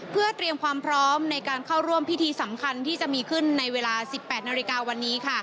เพื่อเตรียมความพร้อมในการเข้าร่วมพิธีสำคัญที่จะมีขึ้นในเวลา๑๘นาฬิกาวันนี้